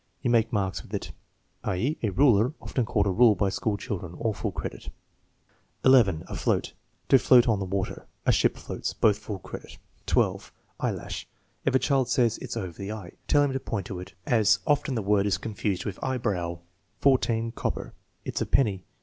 "You make marks with it," i.e., a ruler, often called a rule by school children. (All full credit.) 11. Afloat. "To float on the water." "A ship floats." (Both full credit.) 12. Eyelash. If the child says, "It's over the eye," tell him to point to it, as often the word is confused with eyebrow. 14. Copper, "It's a penny."